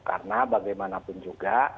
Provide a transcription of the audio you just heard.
karena bagaimanapun juga